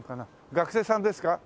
学生さんですか？